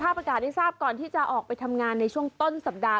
อากาศได้ทราบก่อนที่จะออกไปทำงานในช่วงต้นสัปดาห